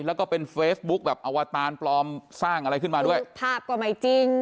แล้วก็เป็นเฟซบุ๊คแบบอวตารปลอมสร้างอะไรขึ้นมาด้วยภาพก็ไม่จริง